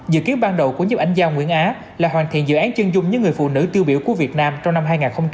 dự kiến ban đầu của nhếp ảnh gia nguyễn á là hoàn thiện dự án chân dung những người phụ nữ tiêu biểu của việt nam trong năm hai nghìn hai mươi